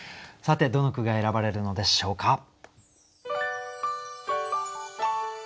さてどの句が選ばれるのでしょうか。